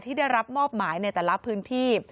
ที่ได้รับมอบหมายในแต่ละพื้นที่